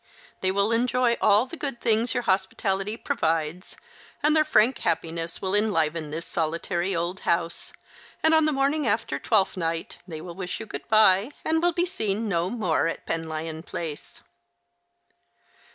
They will enjoy all the good things your hospitality provides, and their frank happiness will enliven this solitary old house, and on the morning after Twelfth Night they will wish you good bye, and will be seen no more at Penlyon Place."